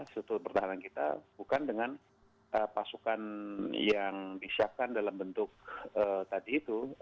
struktur pertahanan kita bukan dengan pasukan yang disiapkan dalam bentuk tadi itu